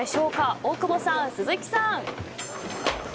大久保さん、鈴木さん。